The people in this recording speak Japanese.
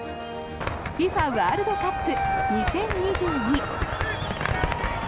ＦＩＦＡワールドカップ２０２２。